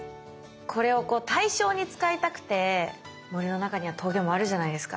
これを対称に使いたくて森の中にはトゲもあるじゃないですか。